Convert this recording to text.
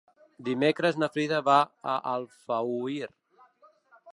Dimecres na Frida va a Alfauir.